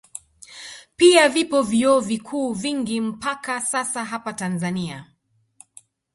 Pia vipo vyuo viku vingi mpaka sasa hapa Tanzania